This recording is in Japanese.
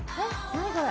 何これ？